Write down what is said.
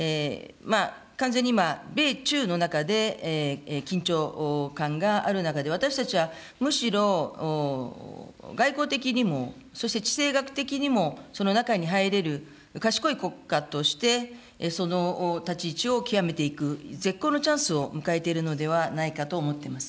完全に今、米中の中で緊張感がある中で私たちは、むしろ外交的にも、そして地政学的にも、その中に入れる賢い国家として、その立ち位置を究めていく、絶好のチャンスを迎えているのではないかと思ってます。